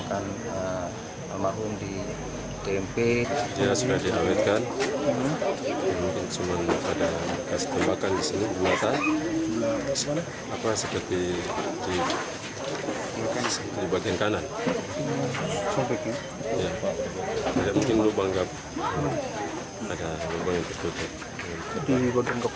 jenasa almarhum dimerangkatkan dari timika dengan pesawat charter dari kodam tujuh belas